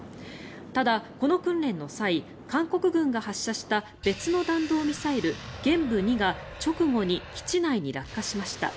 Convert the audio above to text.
ただこの訓練の際韓国軍が発射した別の弾道ミサイル、玄武２が直後に基地内に落下しました。